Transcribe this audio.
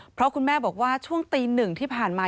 เพราะคุณแม่บอกว่าช่วงตีหนึ่งที่ผ่านมา